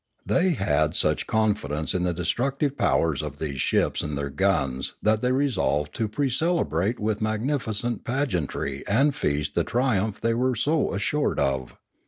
They had such confidence in the destructive powers of these ships and their guns that they resolved to pre celebrate with magnificent pageantry and feast the triumph they were so assured of.